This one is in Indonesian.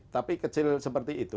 tapi kecil seperti itu